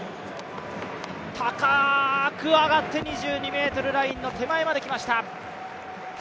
高く上がって２２ｍラインの手前まで来ました。